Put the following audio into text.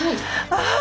ああ！